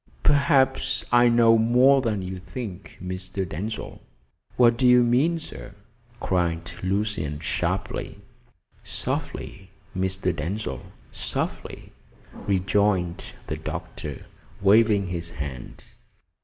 Perhaps I know more than you think, Mr. Denzil." "What do you mean, sir?" cried Lucian sharply. "Softly, Mr. Denzil, softly," rejoined the doctor, waving his hand.